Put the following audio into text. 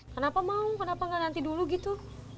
kenapa mau kenapa gak nanti dulu gitu